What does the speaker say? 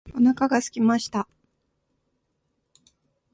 お腹がすきました